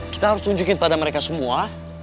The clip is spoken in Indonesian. kita harus tunjukin pada mereka semua